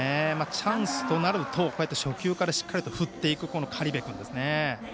チャンスとなると初球からしっかり振っていく苅部君ですね。